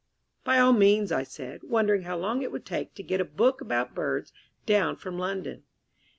"By all means," I said, wondering how long it would take to get a book about birds down from London.